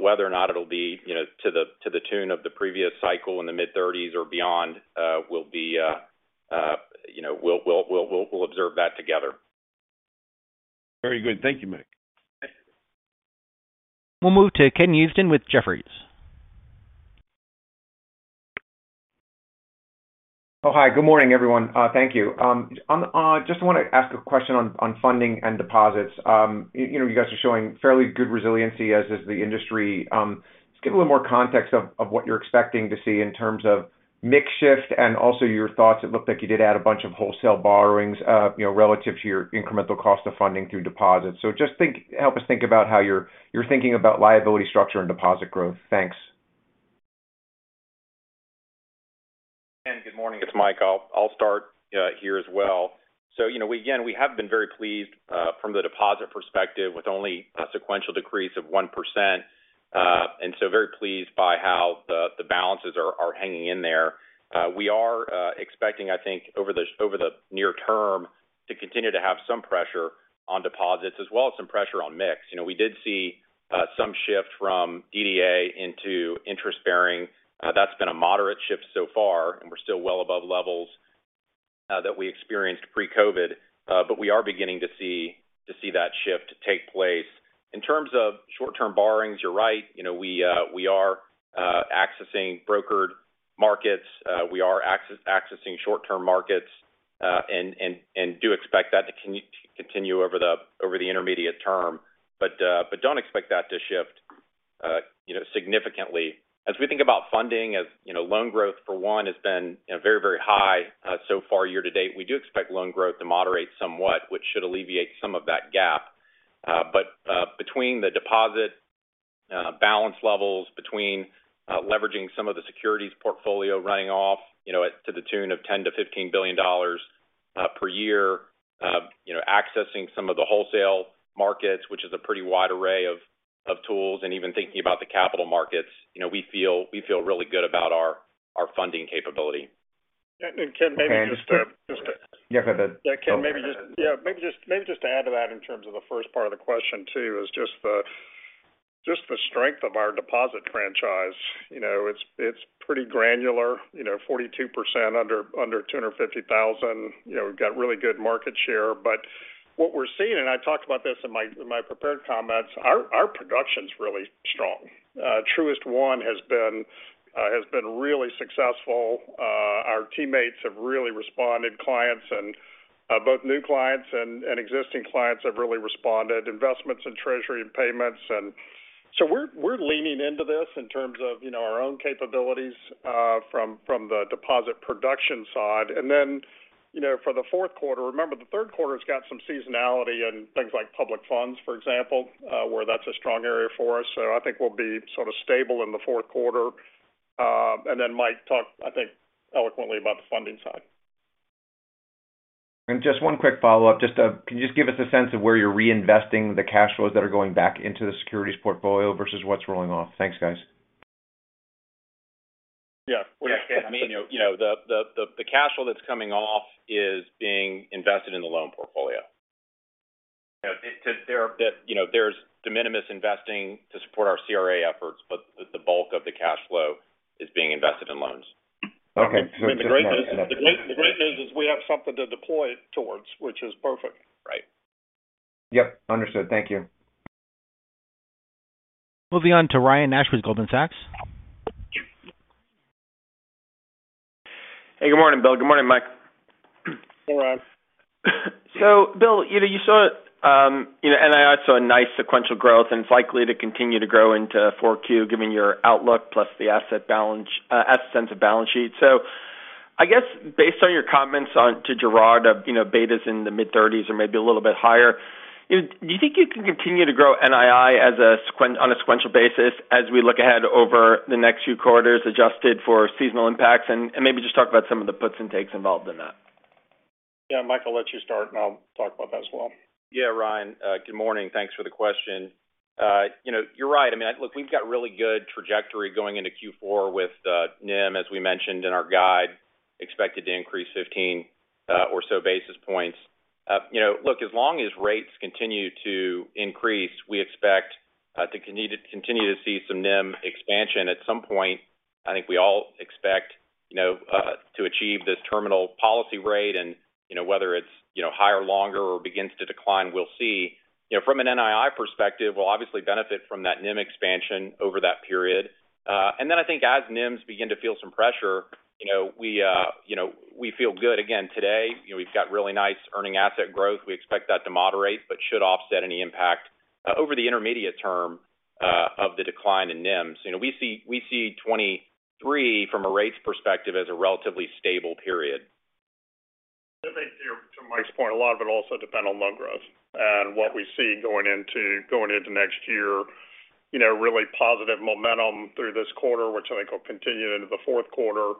Whether or not it'll be, you know, to the tune of the previous cycle in the mid-thirties or beyond, will be, you know, we'll observe that together. Very good. Thank you, Mike. We'll move to Ken Usdin with Jefferies. Good morning, everyone. Thank you. Just want to ask a question on funding and deposits. You know, you guys are showing fairly good resiliency as does the industry. Just give a little more context of what you're expecting to see in terms of mix shift and also your thoughts. It looked like you did add a bunch of wholesale borrowings, you know, relative to your incremental cost of funding through deposits. Help us think about how you're thinking about liability structure and deposit growth. Thanks. Ken, good morning. It's Mike. I'll start here as well. You know, we again have been very pleased from the deposit perspective with only a sequential decrease of 1%. Very pleased by how the balances are hanging in there. We are expecting, I think over the near term to continue to have some pressure on deposits as well as some pressure on mix. You know, we did see some shift from DDA into interest bearing. That's been a moderate shift so far, and we're still well above levels that we experienced pre-COVID. We are beginning to see that shift take place. In terms of short-term borrowings, you're right. You know, we are accessing brokered markets. We are accessing short-term markets and do expect that to continue over the intermediate term. Don't expect that to shift, you know, significantly. As we think about funding, as you know, loan growth for one has been, you know, very high so far year to date. We do expect loan growth to moderate somewhat, which should alleviate some of that gap with the deposit balance levels, leveraging some of the securities portfolio running off to the tune of $10 billion-$15 billion per year, you know, accessing some of the wholesale markets, which is a pretty wide array of tools, and even thinking about the capital markets. You know, we feel really good about our funding capability. Ken, maybe just to Yeah, go ahead. Yeah, Ken, maybe just to add to that in terms of the first part of the question too, is just the strength of our deposit franchise. You know, it's pretty granular. You know, 42% under 250,000. You know, we've got really good market share. But what we're seeing, and I talked about this in my prepared comments, our production's really strong. Truist One has been really successful. Our teammates have really responded. Clients and both new clients and existing clients have really responded. Investments in treasury and payments. We're leaning into this in terms of, you know, our own capabilities, from the deposit production side. You know, for the fourth quarter, remember the third quarter's got some seasonality and things like public funds, for example, where that's a strong area for us. I think we'll be sort of stable in the fourth quarter. Mike talked, I think, eloquently about the funding side. Just one quick follow-up. Just, can you just give us a sense of where you're reinvesting the cash flows that are going back into the securities portfolio versus what's rolling off? Thanks, guys. Yeah. You know, the cash flow that's coming off is being invested in the loan portfolio. You know, there's de minimis investing to support our CRA efforts, but the bulk of the cash flow is being invested in loans. Okay. The great news is we have something to deploy it towards, which is perfect, right? Yep, understood. Thank you. Moving on to Ryan Nash with Goldman Sachs. Hey, good morning, Bill. Good morning, Mike. Hey, Ryan. Bill, you know, NII saw a nice sequential growth and it's likely to continue to grow into 4Q given your outlook plus the asset sensitivity of the balance sheet. I guess based on your comments to Gerard, you know, betas in the mid-30s or maybe a little bit higher, do you think you can continue to grow NII on a sequential basis as we look ahead over the next few quarters adjusted for seasonal impacts? Maybe just talk about some of the puts and takes involved in that. Yeah, Mike, I'll let you start, and I'll talk about that as well. Yeah, Ryan, good morning. Thanks for the question. You know, you're right. I mean, look, we've got really good trajectory going into Q4 with NIM, as we mentioned in our guide, expected to increase 15 or so basis points. You know, look, as long as rates continue to increase, we expect to continue to see some NIM expansion. At some point, I think we all expect, you know, to achieve this terminal policy rate. You know, whether it's, you know, higher longer or begins to decline, we'll see. You know, from an NII perspective, we'll obviously benefit from that NIM expansion over that period. Then I think as NIMs begin to feel some pressure, you know, we feel good. Again, today, you know, we've got really nice earning asset growth. We expect that to moderate, but should offset any impact over the intermediate term of the decline in NIMs. You know, we see 2023 from a rates perspective as a relatively stable period. I think to Mike's point, a lot of it also depend on loan growth. What we see going into next year, you know, really positive momentum through this quarter, which I think will continue into the fourth quarter.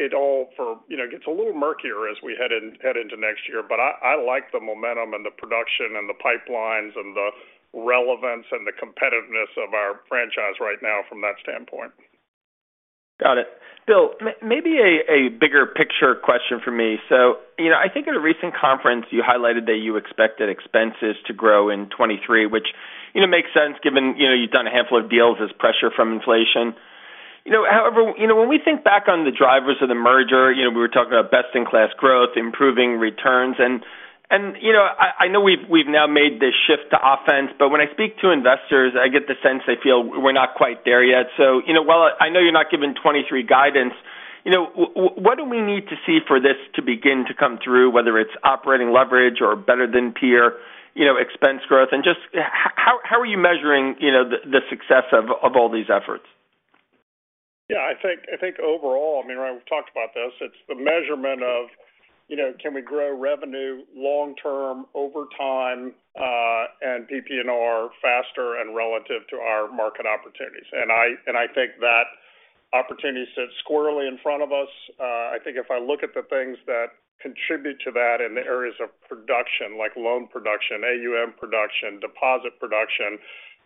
It all for, you know, gets a little murkier as we head into next year. I like the momentum and the production and the pipelines and the relevance and the competitiveness of our franchise right now from that standpoint. Got it. Bill, maybe a bigger picture question for me. You know, I think at a recent conference, you highlighted that you expected expenses to grow in 2023, which, you know, makes sense given, you know, you've done a handful of deals and pressure from inflation. You know, however, you know, when we think back on the drivers of the merger, you know, we were talking about best-in-class growth, improving returns. You know, I know we've now made this shift to offense, but when I speak to investors, I get the sense they feel we're not quite there yet. You know, while I know you're not giving 2023 guidance, you know, what do we need to see for this to begin to come through, whether it's operating leverage or better than peer, you know, expense growth? Just how are you measuring, you know, the success of all these efforts? Yeah, I think overall, I mean, Ryan, we've talked about this. It's the measurement of, you know, can we grow revenue long term over time, and PPNR faster and relative to our market opportunities. I think that opportunity sits squarely in front of us. I think if I look at the things that contribute to that in the areas of production, like loan production, AUM production, deposit production,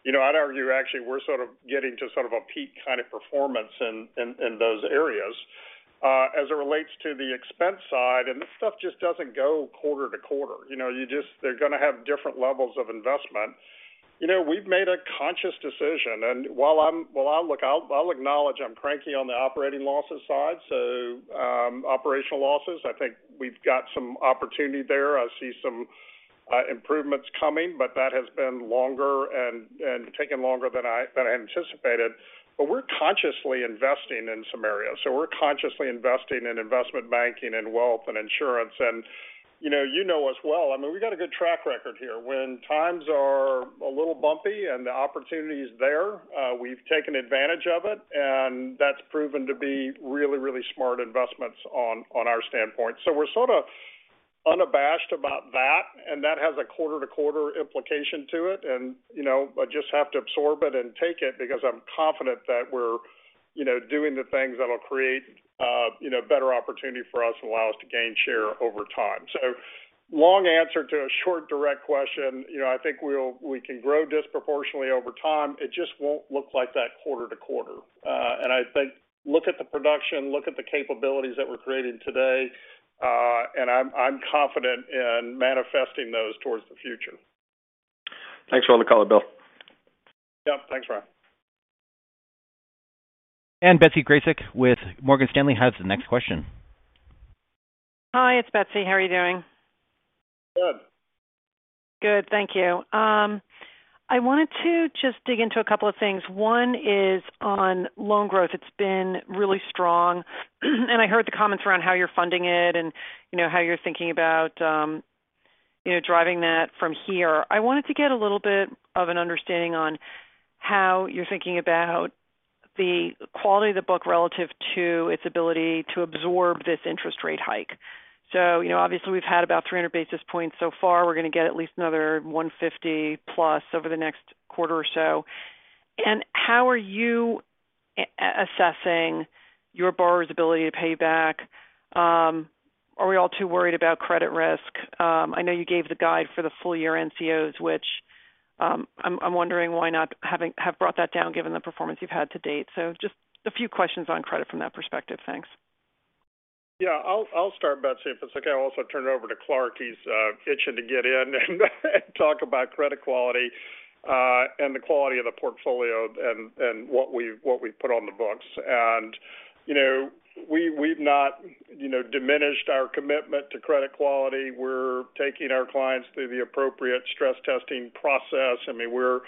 you know, I'd argue, actually, we're sort of getting to sort of a peak kind of performance in those areas. As it relates to the expense side, and this stuff just doesn't go quarter-to-quarter. You know, they're gonna have different levels of investment. You know, we've made a conscious decision. While I look, I'll acknowledge I'm cranky on the operating losses side. Operational losses, I think we've got some opportunity there. I see some improvements coming, but that has been longer and taken longer than I anticipated. We're consciously investing in some areas. We're consciously investing in investment banking and wealth and insurance. You know, you know us well. I mean, we've got a good track record here. When times are a little bumpy and the opportunity is there, we've taken advantage of it, and that's proven to be really smart investments on our standpoint. We're sort of unabashed about that, and that has a quarter-to-quarter implication to it. You know, I just have to absorb it and take it because I'm confident that we're, you know, doing the things that'll create, you know, better opportunity for us and allow us to gain share over time. Long answer to a short, direct question. You know, I think we can grow disproportionately over time. It just won't look like that quarter-to-quarter. I think look at the production, look at the capabilities that we're creating today, and I'm confident in manifesting those towards the future. Thanks for all the color, Bill. Yep. Thanks, Ryan. Betsy Graseck with Morgan Stanley has the next question. Hi, it's Betsy. How are you doing? Good. Good. Thank you. I wanted to just dig into a couple of things. One is on loan growth. It's been really strong. I heard the comments around how you're funding it and, you know, how you're thinking about, you know, driving that from here. I wanted to get a little bit of an understanding on how you're thinking about the quality of the book relative to its ability to absorb this interest rate hike. You know, obviously we've had about 300 basis points so far. We're gonna get at least another 150 plus over the next quarter or so. How are you assessing your borrower's ability to pay back? Are we all too worried about credit risk? I know you gave the guide for the full year NCOs, which I'm wondering why have brought that down given the performance you've had to date. Just a few questions on credit from that perspective. Thanks. Yeah. I'll start, Betsy, if it's okay. I'll also turn it over to Clarke. He's itching to get in and talk about credit quality and the quality of the portfolio and what we put on the books. You know, we've not diminished our commitment to credit quality. We're taking our clients through the appropriate stress testing process. I mean, we're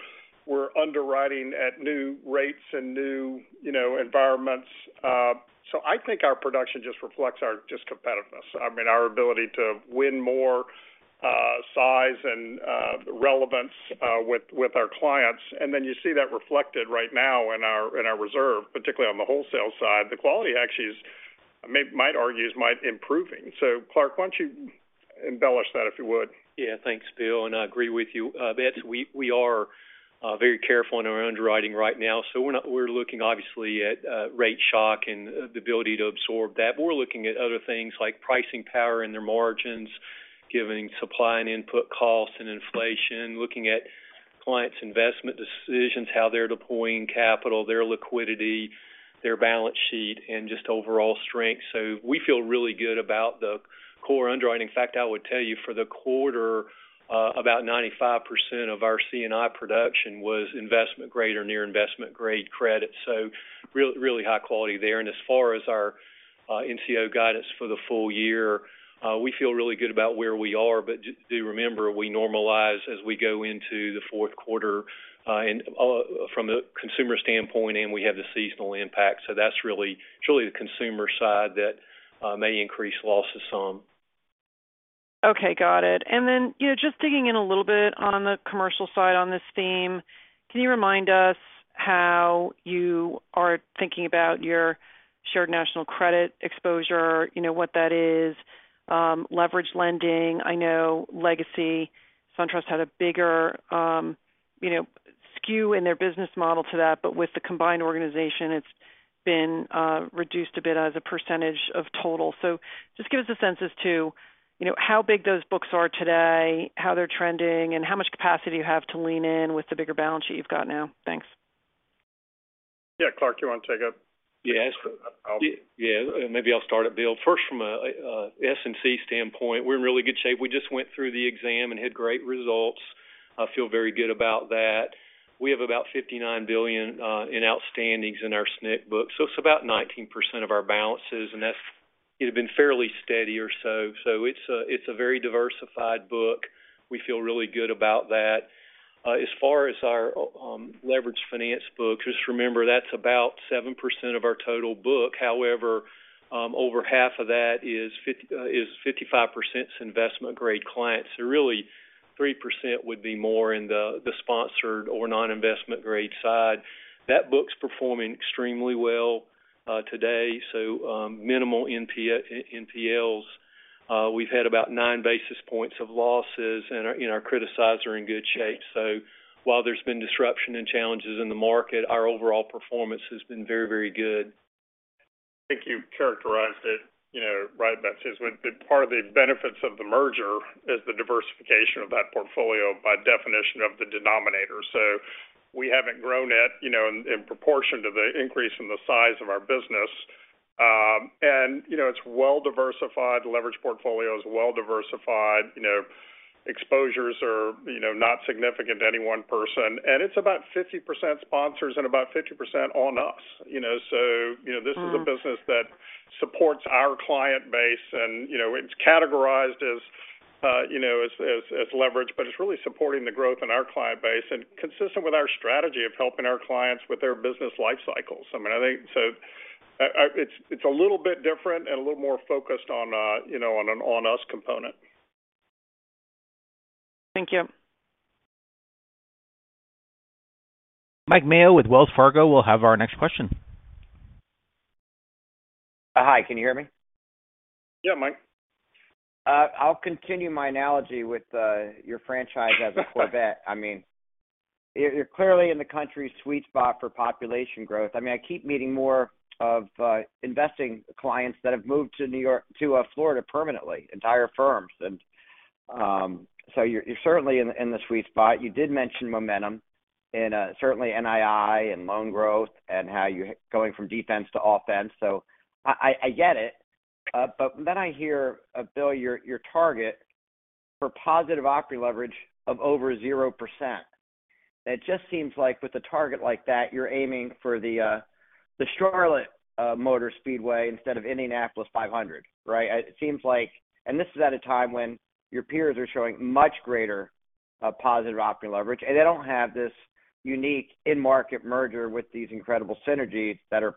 underwriting at new rates and new environments. So I think our production just reflects our competitiveness. I mean, our ability to win more size and relevance with our clients. Then you see that reflected right now in our reserve, particularly on the wholesale side. The quality actually is, might argue, improving. Clarke, why don't you embellish that if you would? Yeah. Thanks, Bill, and I agree with you, Betsy, we are very careful in our underwriting right now. We're looking obviously at rate shock and the ability to absorb that. We're looking at other things like pricing power in their margins, giving supply and input costs and inflation, looking at clients' investment decisions, how they're deploying capital, their liquidity, their balance sheet, and just overall strength. We feel really good about the core underwriting. In fact, I would tell you, for the quarter, about 95% of our C&I production was investment grade or near investment-grade credit. Really high quality there. As far as our NCO guidance for the full year, we feel really good about where we are. Do remember, we normalize as we go into the fourth quarter, and from the consumer standpoint, and we have the seasonal impact. That's really, it's really the consumer side that may increase losses some. Okay, got it. Then, you know, just digging in a little bit on the commercial side on this theme, can you remind us how you are thinking about your Shared National Credit exposure? You know, what that is, leverage lending. I know Legacy SunTrust had a bigger, you know, skew in their business model to that, but with the combined organization, it's been reduced a bit as a percentage of total. Just give us a sense as to, you know, how big those books are today, how they're trending, and how much capacity you have to lean in with the bigger balance sheet you've got now. Thanks. Yeah. Clarke, you want to take it? Yes. Yeah. Maybe I'll start it, Bill. First, from a SNC standpoint, we're in really good shape. We just went through the exam and had great results. I feel very good about that. We have about $59 billion in outstandings in our SNC book. So it's about 19% of our balances, and that's it had been fairly steady or so. So it's a very diversified book. We feel really good about that. As far as our leverage finance book, just remember, that's about 7% of our total book. However, over half of that is 55% investment-grade clients. So really, 3% would be more in the sponsored or non-investment grade side. That book's performing extremely well today, so minimal NPLs. We've had about 9 basis points of losses, and our criticized assets are in good shape. While there's been disruption and challenges in the market, our overall performance has been very, very good. I think you've characterized it, you know, right, Betsy Graseck. Part of the benefits of the merger is the diversification of that portfolio by definition of the denominator. We haven't grown it, you know, in proportion to the increase in the size of our business. You know, it's well diversified. The leverage portfolio is well diversified. You know, exposures are, you know, not significant to any one person. It's about 50% sponsors and about 50% on us, you know. You know, this is a business that supports our client base, and, you know, it's categorized as leverage, but it's really supporting the growth in our client base and consistent with our strategy of helping our clients with their business life cycles. I mean, I think it's a little bit different and a little more focused on, you know, on an on-us component. Thank you. Mike Mayo with Wells Fargo will have our next question. Hi, can you hear me? Yeah, Mike. I'll continue my analogy with your franchise as a Corvette. I mean, you're clearly in the country's sweet spot for population growth. I mean, I keep meeting more of investing clients that have moved to Florida permanently, entire firms. You're certainly in the sweet spot. You did mention momentum and certainly NII and loan growth and how you're going from defense to offense. I get it. I hear, Bill, your target for positive operating leverage of over 0%. It just seems like with a target like that, you're aiming for the Charlotte Motor Speedway instead of Indianapolis 500, right? It seems like this is at a time when your peers are showing much greater positive operating leverage, and they don't have this unique in-market merger with these incredible synergies that are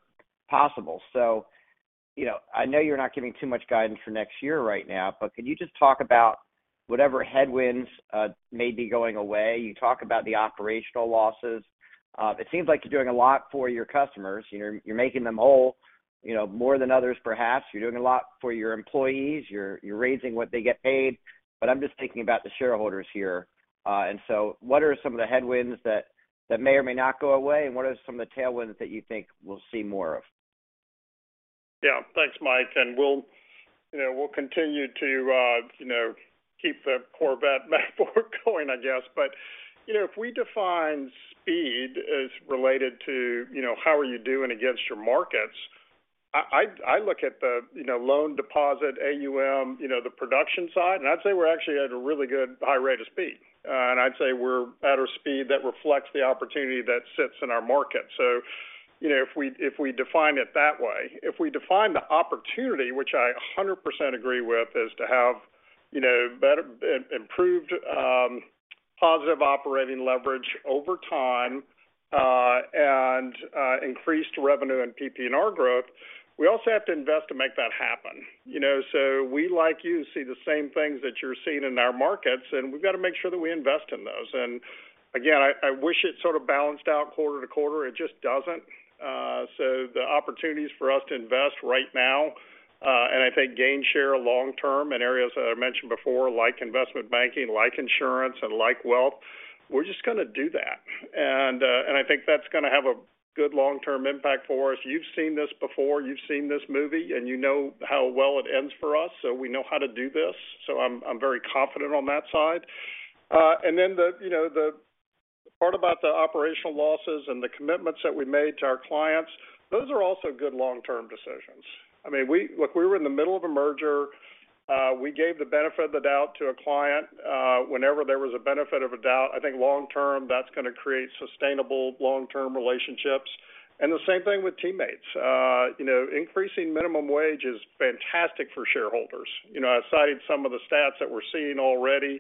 possible. You know, I know you're not giving too much guidance for next year right now, but could you just talk about whatever headwinds may be going away. You talk about the operational losses. It seems like you're doing a lot for your customers. You're making them whole, you know, more than others, perhaps. You're doing a lot for your employees. You're raising what they get paid. I'm just thinking about the shareholders here. What are some of the headwinds that may or may not go away. And what are some of the tailwinds that you think we'll see more of. Yeah. Thanks, Mike. We'll continue to keep the Corvette metaphor going, I guess. If we define speed as related to how are you doing against your markets, I'd look at the loan deposit, AUM, the production side, and I'd say we're actually at a really good high rate of speed. I'd say we're at a speed that reflects the opportunity that sits in our market. If we define it that way. If we define the opportunity, which I 100% agree with, is to have improved positive operating leverage over time, and increased revenue and PPNR growth. We also have to invest to make that happen, you know. We, like you, see the same things that you're seeing in our markets, and we've got to make sure that we invest in those. Again, I wish it sort of balanced out quarte- to-quarter. It just doesn't. The opportunities for us to invest right now, and I think gain share long-term in areas that I mentioned before, like investment banking, like insurance and like wealth. We're just going to do that. I think that's going to have a good long-term impact for us. You've seen this before, you've seen this movie, and you know how well it ends for us. We know how to do this. I'm very confident on that side. The part about the operational losses and the commitments that we made to our clients, those are also good long-term decisions. I mean, look, we were in the middle of a merger. We gave the benefit of the doubt to a client, whenever there was a benefit of a doubt. I think long-term, that's going to create sustainable long-term relationships. The same thing with teammates. You know, increasing minimum wage is fantastic for shareholders. You know, I cited some of the stats that we're seeing already,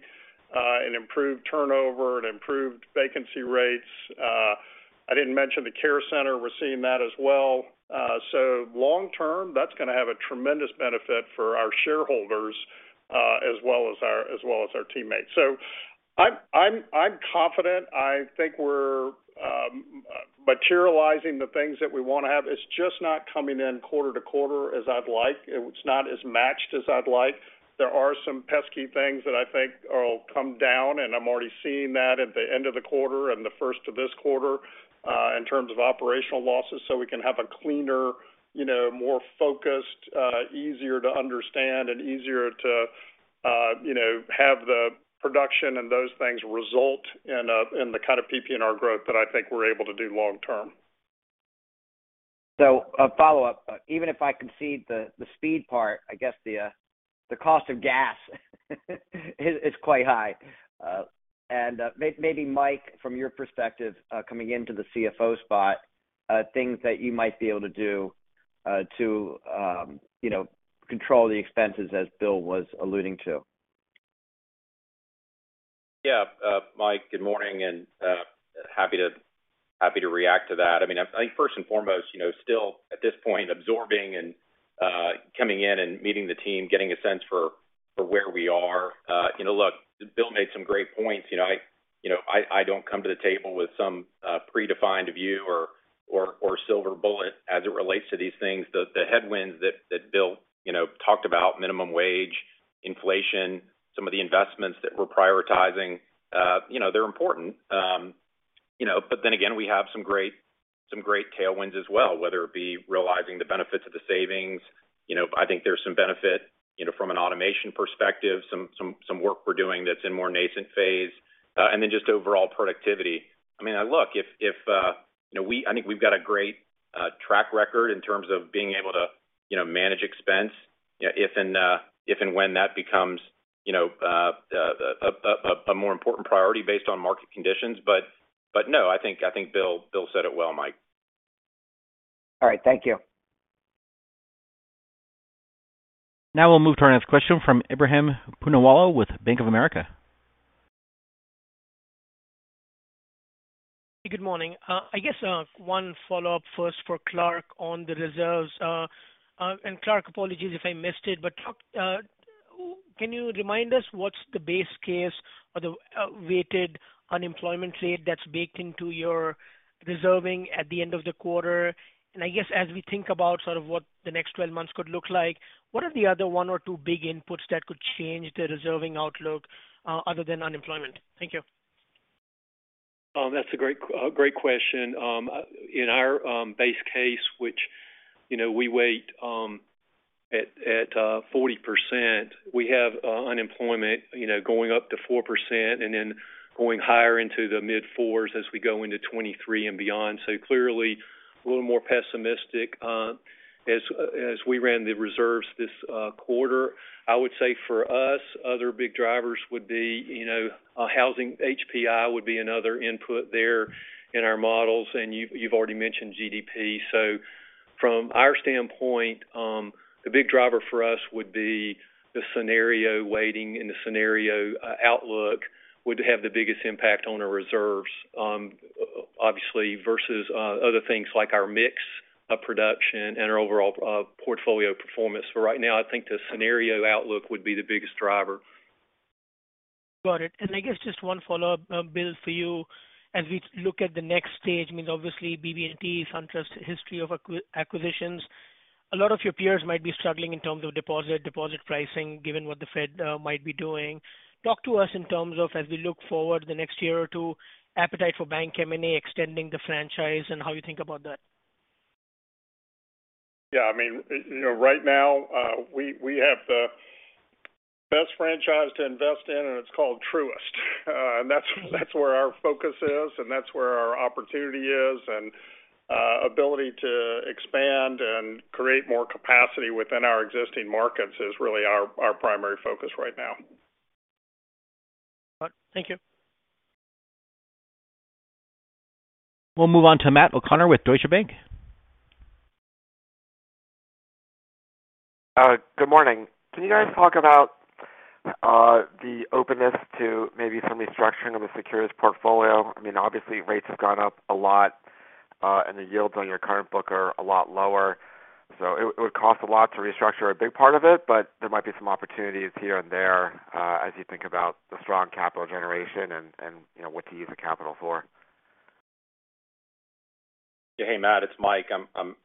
in improved turnover and improved vacancy rates. I didn't mention the care center. We're seeing that as well. Long-term, that's going to have a tremendous benefit for our shareholders, as well as our teammates. I'm confident. I think we're materializing the things that we want to have. It's just not coming in quarter-to-quarter as I'd like. It's not as matched as I'd like. There are some pesky things that I think will come down, and I'm already seeing that at the end of the quarter and the first of this quarter in terms of operational losses, so we can have a cleaner, you know, more focused, easier to understand and easier to, you know, have the production and those things result in a, in the kind of PPNR growth that I think we're able to do long-term. A follow-up. Even if I concede the speed part, I guess the cost of gas is quite high. Maybe Mike, from your perspective, coming into the CFO spot, things that you might be able to do to you know control the expenses as Bill was alluding to. Yeah. Mike, good morning and happy to react to that. I mean, I think first and foremost, you know, still at this point, absorbing and coming in and meeting the team, getting a sense for where we are. You know, look, Bill made some great points. You know, I don't come to the table with some predefined view or silver bullet as it relates to these things. The headwinds that Bill talked about, minimum wage, inflation, some of the investments that we're prioritizing, you know, they're important. You know, but then again, we have some great tailwinds as well, whether it be realizing the benefits of the savings. You know, I think there's some benefit, you know, from an automation perspective, some work we're doing that's in more nascent phase. And then just overall productivity. I mean, look, if you know, I think we've got a great track record in terms of being able to, you know, manage expense if and when that becomes a more important priority based on market conditions. No, I think Bill said it well, Mike. All right. Thank you. Now we'll move to our next question from Ebrahim Poonawala with Bank of America. Good morning. I guess, one follow-up first for Clarke on the reserves. Clarke, apologies if I missed it, but can you remind us what's the base case or the, weighted unemployment rate that's baked into your reserving at the end of the quarter? I guess as we think about sort of what the next 12 months could look like, what are the other one or two big inputs that could change the reserving outlook, other than unemployment? Thank you. Oh, that's a great question. In our base case, which, you know, we weight at 40%, we have unemployment, you know, going up to 4% and then going higher into the mid-4s as we go into 2023 and beyond. Clearly a little more pessimistic as we ran the reserves this quarter. I would say for us, other big drivers would be, you know, housing. HPI would be another input there in our models. You've already mentioned GDP. From our standpoint, the big driver for us would be the scenario weighting and the scenario outlook would have the biggest impact on our reserves, obviously, versus other things like our mix of production and our overall portfolio performance. For right now, I think the scenario outlook would be the biggest driver. Got it. I guess just one follow-up, Bill, for you. As we look at the next stage, I mean, obviously BB&T, SunTrust history of acquisitions. A lot of your peers might be struggling in terms of deposit pricing, given what the Fed might be doing. Talk to us in terms of as we look forward the next year or two, appetite for bank M&A, extending the franchise and how you think about that. Yeah, I mean, you know, right now, we have the best franchise to invest in, and it's called Truist. That's where our focus is, and that's where our opportunity is. Ability to expand and create more capacity within our existing markets is really our primary focus right now. Thank you. We'll move on to Matt O'Connor with Deutsche Bank. Good morning. Can you guys talk about the openness to maybe some restructuring of a securities portfolio? I mean, obviously rates have gone up a lot, and the yields on your current book are a lot lower, so it would cost a lot to restructure a big part of it, but there might be some opportunities here and there, as you think about the strong capital generation and, you know, what to use the capital for. Yeah. Hey, Matt, it's Mike.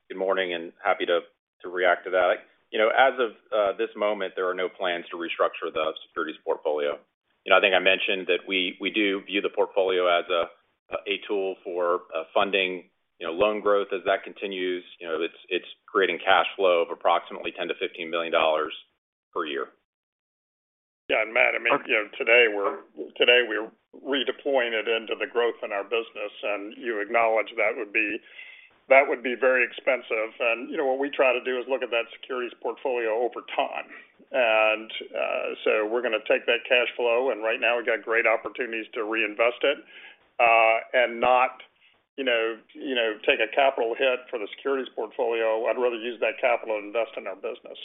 Good morning, and happy to react to that. You know, as of this moment, there are no plans to restructure the securities portfolio. You know, I think I mentioned that we do view the portfolio as a tool for funding, you know, loan growth as that continues. You know, it's creating cash flow of approximately $10-$15 billion per year. Yeah. Matt, I mean, you know, today we're redeploying it into the growth in our business. You know, what we try to do is look at that securities portfolio over time. We're gonna take that cash flow, and right now we've got great opportunities to reinvest it, and not, you know, take a capital hit for the securities portfolio. I'd rather use that capital and invest in our business.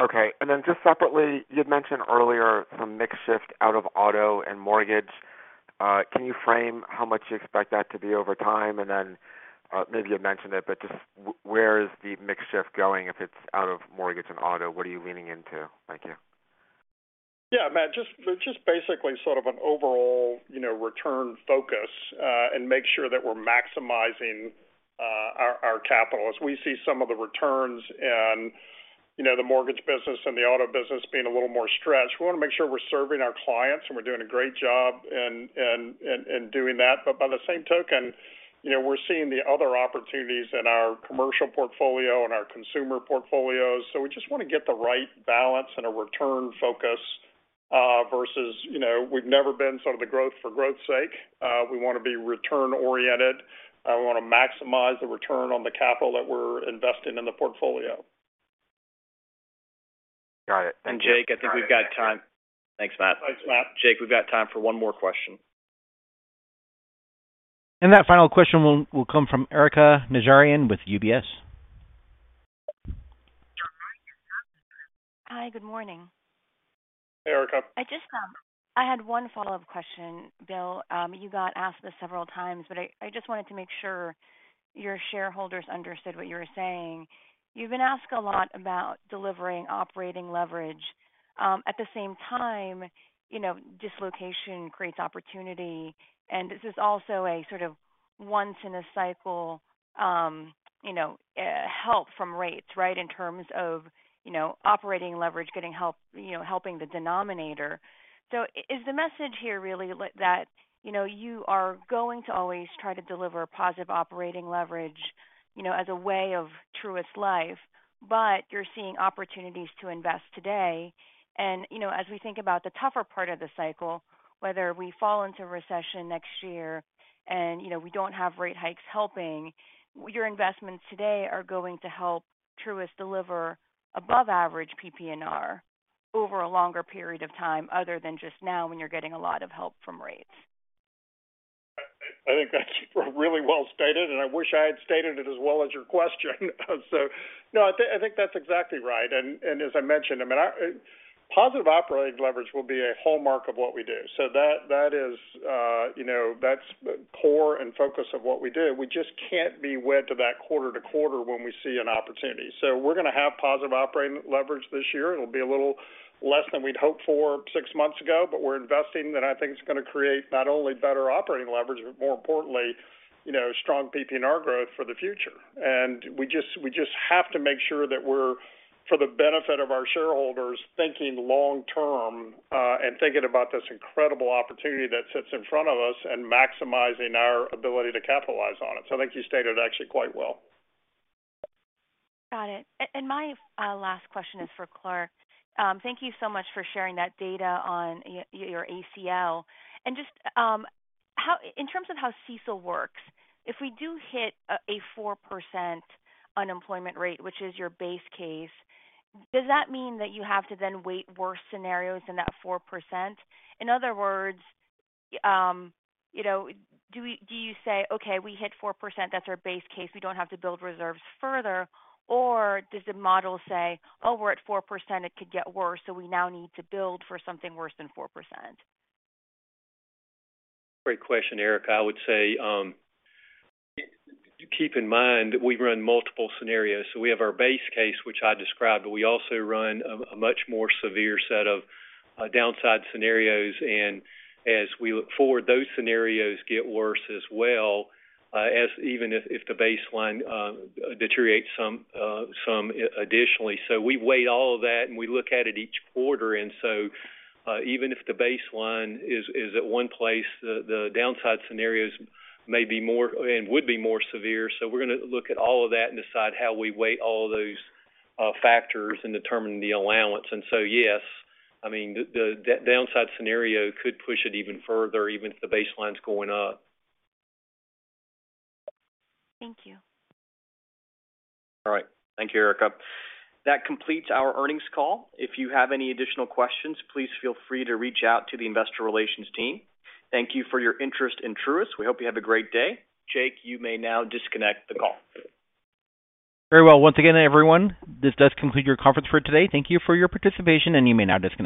Okay. Just separately, you'd mentioned earlier some mix shift out of auto and mortgage. Can you frame how much you expect that to be over time? Maybe you've mentioned it, but just where is the mix shift going? If it's out of mortgage and auto, what are you leaning into? Thank you. Yeah, Matt, just basically sort of an overall, you know, return focus, and make sure that we're maximizing our capital. As we see some of the returns in, you know, the mortgage business and the auto business being a little more stretched. We want to make sure we're serving our clients, and we're doing a great job in doing that. By the same token, you know, we're seeing the other opportunities in our commercial portfolio and our consumer portfolios. We just want to get the right balance and a return focus, versus, you know, we've never been sort of the growth for growth's sake. We want to be return-oriented. We want to maximize the return on the capital that we're investing in the portfolio. Got it. Thank you. Jake, I think we've got time. Thanks, Matt. Thanks, Matt. Jake, we've got time for one more question. That final question will come from Erika Najarian with UBS. Hi, good morning. Hey, Erika. I just had one follow-up question, Bill. You got asked this several times, but I just wanted to make sure your shareholders understood what you were saying. You've been asked a lot about delivering operating leverage. At the same time, you know, dislocation creates opportunity. This is also a sort of once in a cycle, you know, help from rates, right? In terms of, you know, operating leverage, getting help, you know, helping the denominator. Is the message here really that, you know, you are going to always try to deliver positive operating leverage, you know, as a way of Truist life, but you're seeing opportunities to invest today. You know, as we think about the tougher part of the cycle, whether we fall into recession next year and, you know, we don't have rate hikes helping, your investments today are going to help Truist deliver above average PPNR over a longer period of time other than just now when you're getting a lot of help from rates. I think that's really well stated, and I wish I had stated it as well as your question. No, I think that's exactly right. As I mentioned, I mean, our positive operating leverage will be a hallmark of what we do. That is, you know, that's core and focus of what we do. We just can't be wed to that quarter-to-quarter when we see an opportunity. We're gonna have positive operating leverage this year. It'll be a little less than we'd hoped for six months ago, but we're investing, and I think it's going to create not only better operating leverage, but more importantly, you know, strong PPNR growth for the future. We just have to make sure that we're, for the benefit of our shareholders, thinking long term, and thinking about this incredible opportunity that sits in front of us and maximizing our ability to capitalize on it. I think you stated actually quite well. Got it. My last question is for Clarke. Thank you so much for sharing that data on your ACL. Just, in terms of how CECL works, if we do hit a 4% unemployment rate, which is your base case, does that mean that you have to then weigh worse scenarios than that 4%? In other words, you know, do you say, "Okay, we hit 4%. That's our base case. We don't have to build reserves further." Or does the model say, "Oh, we're at 4%. It could get worse, so we now need to build for something worse than 4%"? Great question, Erika. I would say, keep in mind that we run multiple scenarios, so we have our base case, which I described, but we also run a much more severe set of downside scenarios. As we look forward, those scenarios get worse as well, even if the baseline deteriorates some additionally. We weigh all of that, and we look at it each quarter. Even if the baseline is at one place, the downside scenarios may be more and would be more severe. We're going to look at all of that and decide how we weigh all of those factors in determining the allowance. Yes, I mean, the downside scenario could push it even further, even if the baseline's going up. Thank you. All right. Thank you, Erika. That completes our earnings call. If you have any additional questions, please feel free to reach out to the investor relations team. Thank you for your interest in Truist. We hope you have a great day. Jake, you may now disconnect the call. Very well. Once again, everyone, this does conclude your conference for today. Thank you for your participation, and you may now disconnect.